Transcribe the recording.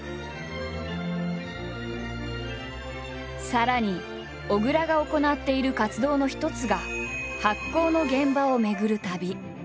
さらに小倉が行っている活動の一つが発酵の現場を巡る旅。